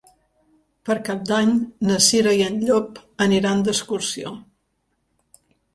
Per Cap d'Any na Cira i en Llop aniran d'excursió.